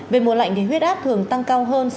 về mùa lạnh thì huyết áp thường tăng cao hơn